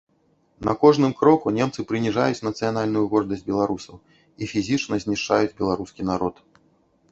На кожным кроку немцы прыніжаюць нацыянальную гордасць беларусаў і фізічна знішчаюць беларускі народ.